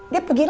dia pergi lagi